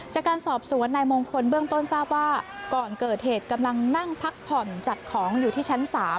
จากการสอบสวนนายมงคลเบื้องต้นทราบว่าก่อนเกิดเหตุกำลังนั่งพักผ่อนจัดของอยู่ที่ชั้น๓